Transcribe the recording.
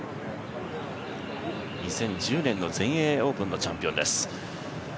２０１０年の全英オープンのチャンピオンです。